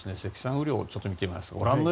雨量を見ていきます。